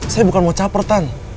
saya bukan mau caper tan